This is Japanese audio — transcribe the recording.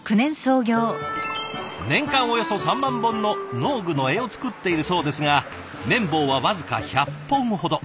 年間およそ３万本の農具の柄を作っているそうですが麺棒は僅か１００本ほど。